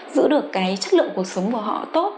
giữ được cái chất lượng cuộc sống của họ tốt